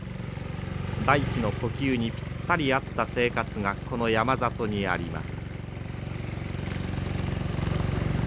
大地の呼吸にぴったり合った生活がこの山里にあります。